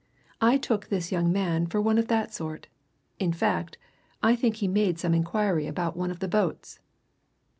I took this young man for one of that sort in fact, I think he made some inquiry about one of the boats."